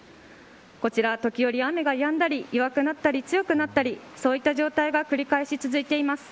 こちら時折、雨がやんだり弱くなったり強くなったり、そういった状態が繰り返し続いています。